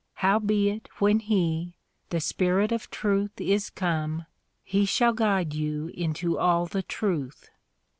Howbeit when he, the Spirit of truth is come, he shall guide you into all the truth."